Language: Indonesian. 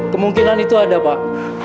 kemungkinan itu ada pak